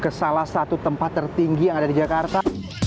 kesalah satu tempat tertinggi yang ada di jakarta